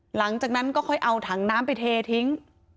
หลังจากนั้นก็ค่อยเอาถังน้ำไปเททิ้ง